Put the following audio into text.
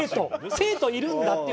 生徒いるんだっていう。